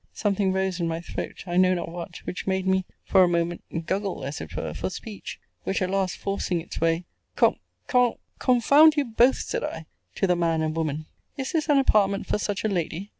Something rose in my throat, I know not what, which made me, for a moment, guggle, as it were, for speech: which, at last, forcing its way, con con confound you both, said I, to the man and woman, is this an apartment for such a lady?